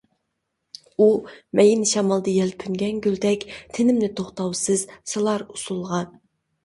ئۇ مەيىن شامالدا يەلپۈنگەن گۈلدەك تېنىمنى توختاۋسىز سالار ئۇسسۇلغا.